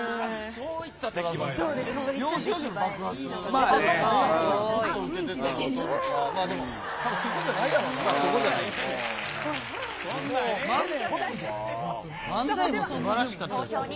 そういった出来栄えなんだね。